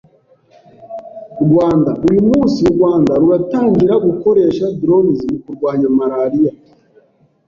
Rwanda: Uyu munsi u Rwanda ruratangira gukoresha 'drones' mu kurwanya Malaria